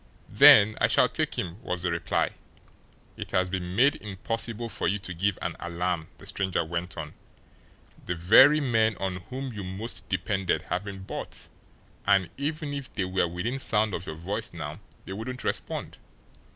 "Then I shall take him," was the reply. "It has been made impossible for you to give an alarm," the stranger went on. "The very men on whom you most depended have been bought, and even if they were within sound of your voice now they wouldn't respond.